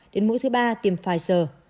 đến mũi thứ ba tiêm pfizer